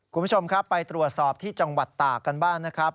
คุณผู้ชมครับไปตรวจสอบที่จังหวัดตากกันบ้างนะครับ